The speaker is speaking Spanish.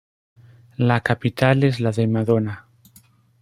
La capital es la de Madona.